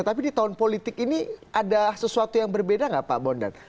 tapi di tahun politik ini ada sesuatu yang berbeda nggak pak bondan